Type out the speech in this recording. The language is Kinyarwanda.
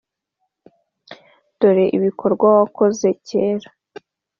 Dore ibikorwa wakoze kera.